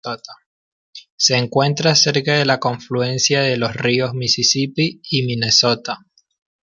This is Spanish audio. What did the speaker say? Se encuentra cerca de la confluencia de los ríos Misisipi y Minnesota.